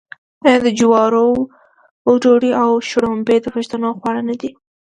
آیا د جوارو ډوډۍ او شړومبې د پښتنو خواړه نه دي؟